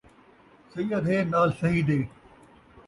سید ہے نال صحیح دے